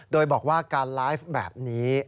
โดยบอกว่าการไลฟ์แบบนี้